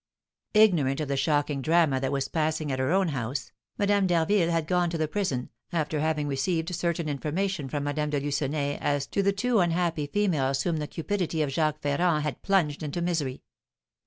Ignorant of the shocking drama that was passing at her own house, Madame d'Harville had gone to the prison, after having received certain information from Madame de Lucenay as to the two unhappy females whom the cupidity of Jacques Ferrand had plunged into misery.